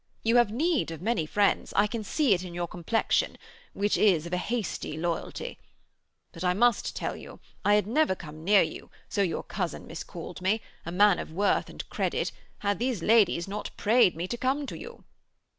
'You have need of many friends; I can see it in your complexion, which is of a hasty loyalty. But I tell you, I had never come near you, so your cousin miscalled me, a man of worth and credit, had these ladies not prayed me to come to you.'